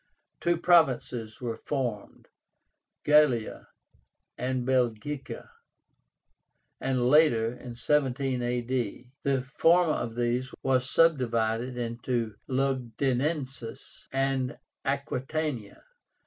Two provinces were formed, Gallia and Belgica, and later (17 A. D.) the former of these was subdivided into Lugdunensis and Aquitania.